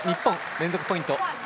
連続ポイント